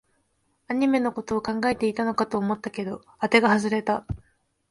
アニメのことを考えていたのかと思ったけど、あてが外れた